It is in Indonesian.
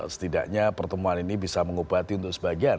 setidaknya pertemuan ini bisa mengobati untuk sebagian